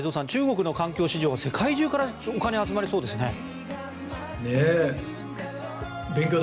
中国の環境市場は世界中からお金集まりそうですね。